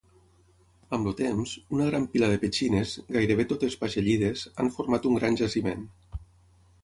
Amb el temps, una gran pila de petxines, gairebé totes pagellides, ha format un gran jaciment.